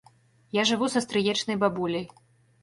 Я жыву са стрыечнай бабуляй.